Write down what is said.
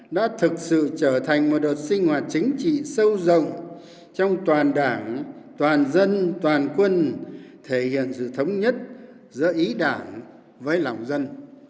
đã thực sự trở thành một đột sinh hoạt chính trị sâu rộng trong toàn đảng toàn dân toàn quân thể hiện sự thống nhất giữa ý đảng với lòng dân